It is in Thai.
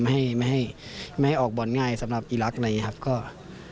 ไม่ให้ไม่ออกบอลง่ายสำหรับอีรักษ์อะไรอย่างนี้ครับก็